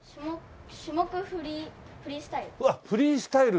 種目フリースタイル。